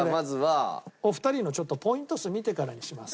お二人のポイント数見てからにします。